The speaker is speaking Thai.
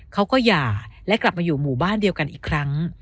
หย่าและกลับมาอยู่หมู่บ้านเดียวกันอีกครั้ง